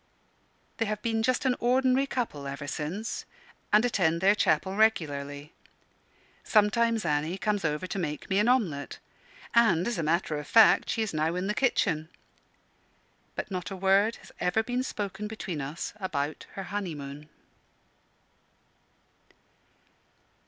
They have been just an ordinary couple ever since, and attend their chapel regularly. Sometimes Annie comes over to make me an omelet; and, as a matter of fact, she is now in the kitchen. But not a word has ever been spoken between us about her honeymoon.